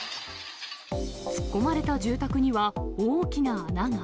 突っ込まれた住宅には大きな穴が。